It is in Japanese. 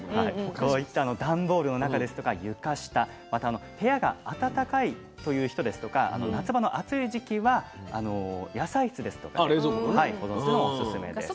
こういった段ボールの中ですとか床下また部屋が暖かいという人ですとか夏場の暑い時期は野菜室ですとかで保存するのおすすめです。